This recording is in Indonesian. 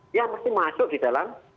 dia pasti masuk di dalam